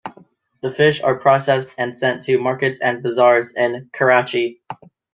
The fish are processed and sent to markets and bazaars in Karachi.